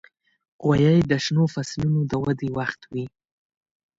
غویی د شنو فصلونو د ودې وخت وي.